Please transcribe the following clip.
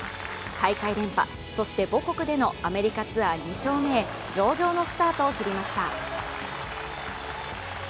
大会連覇、そして母国でのアメリカツアー２勝目へ上場のスタートを切りました。